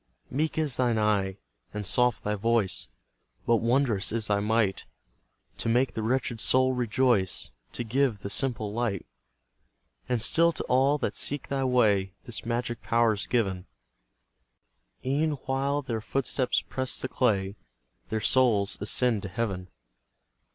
Meek is thine eye and soft thy voice, But wondrous is thy might, To make the wretched soul rejoice, To give the simple light! And still to all that seek thy way This magic power is given, E'en while their footsteps press the clay, Their souls ascend to heaven.